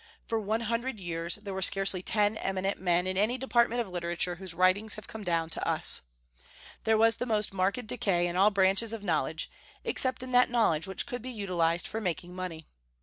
For one hundred years there were scarcely ten eminent men in any department of literature whose writings have come down to us. There was the most marked decay in all branches of knowledge, except in that knowledge which could be utilized for making money.